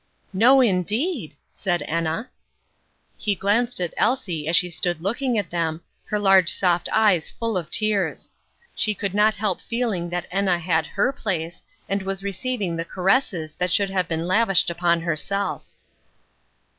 "No, indeed," said Enna. He glanced at Elsie as she stood looking at them, her large soft eyes full of tears. She could not help feeling that Enna had her place, and was receiving the caresses that should have been lavished upon herself.